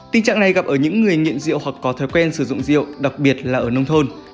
tình trạng này gặp ở những người nghiện rượu hoặc có thói quen sử dụng rượu đặc biệt là ở nông thôn